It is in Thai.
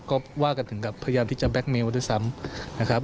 ก็ว่ากันถึงกับพยายามที่จะแก๊เมลด้วยซ้ำนะครับ